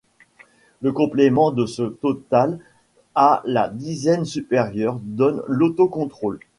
Le complément de ce total à la dizaine supérieure donne l'autocontrôle.